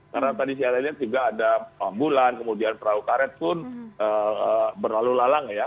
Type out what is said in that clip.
karena tadi siada siada juga ada ambulan kemudian perahu karet pun berlalu lalang ya